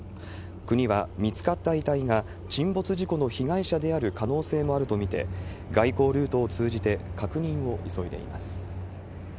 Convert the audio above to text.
国は見つかった遺体が、沈没事故の被害者である可能性もあると見て、外交ルートを通じて、確認を急いでいます。